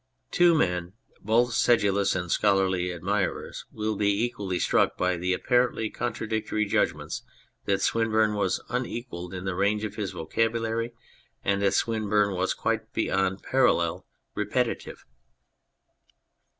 Two men, both sedulous and scholarly admirers, will be equally struck by the apparently contradictory judgments that Swinburne was unequalled in the range of his vocabulary, and that Swinburne was, quite beyond parallel, repeti tive.